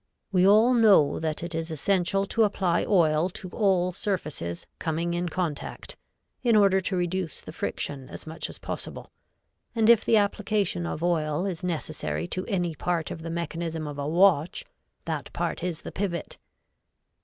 We all know that it is essential to apply oil to all surfaces coming in contact, in order to reduce the friction as much as possible, and if the application of oil is necessary to any part of the mechanism of a watch, that part is the pivot.